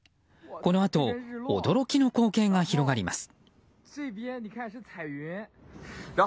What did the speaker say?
このあと驚きの光景が広がります。